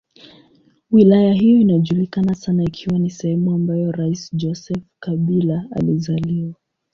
Wilaya hiyo inajulikana sana ikiwa ni sehemu ambayo rais Joseph Kabila alizaliwa.